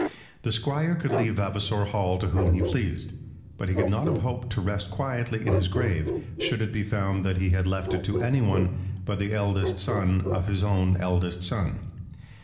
The Squire could leave Vavasor Hall to whom he pleased, but he could not have hoped to rest quietly in his grave should it be found that he had left it to any one but the eldest son of his own eldest son.